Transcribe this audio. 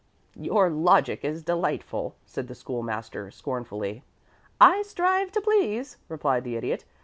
"Your logic is delightful," said the School master, scornfully. "I strive to please," replied the Idiot.